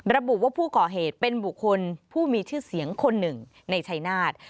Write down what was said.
ระบุว่าผู้ก่อเหตุเป็นบุคคลผู้มีชื่อเสียงคนหนึ่งในชายนาฏ